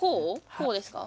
こうですか？